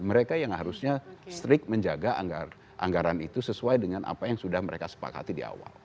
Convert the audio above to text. mereka yang harusnya strict menjaga anggaran itu sesuai dengan apa yang sudah mereka sepakati di awal